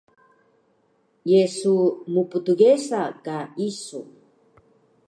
Ye su mptgesa ka isu?